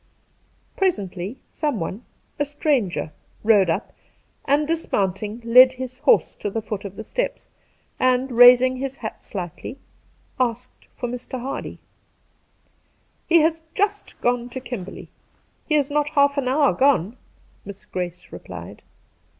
Presently someone, a stranger, rode up and, dismounting, led his horse to the foot of the steps, and, raising his hat slightly, asked for Mr. Hardy. ' He has just gone into Kimberley. He is not half an hour gone,' Miss Grace replied.